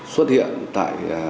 xuất hiện tại